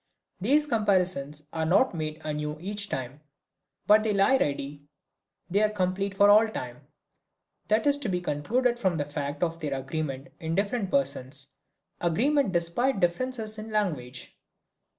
These comparisons are not made anew each time, but they lie ready, they are complete for all time. That is to be concluded from the fact of their agreement in different persons, agreement despite differences in language.